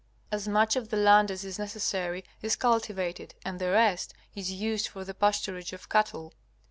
As much of the land as is necessary is cultivated, and the rest is used for the pasturage of cattle.